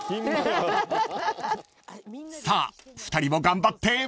［さあ２人も頑張って］